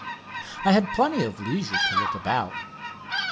I had plenty of leisure to look about.